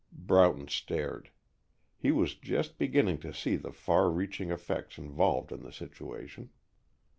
Broughton stared. He was just beginning to see the far reaching effects involved in the situation.